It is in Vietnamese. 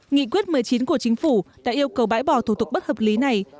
nghị quyết một mươi chín của chính phủ đã yêu cầu bãi bỏ thủ tục bất hợp lý này